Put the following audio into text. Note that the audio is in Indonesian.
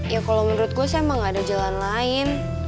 ya kalo menurut gue sih emang gak ada jalan lain